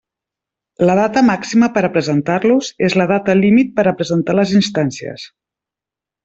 La data màxima per a presentar-los és la data límit per a presentar les instàncies.